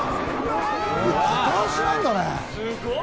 片足なんだね。